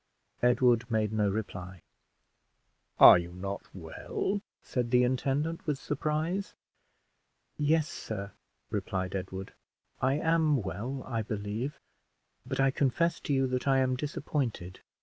Edward made no reply. "Are you not well?" said the intendant, with surprise. "Yes, sir," replied Edward, "I am well, I believe; but I confess to you that I am disappointed.